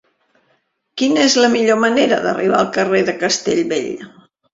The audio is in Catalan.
Quina és la millor manera d'arribar al carrer de Castellbell?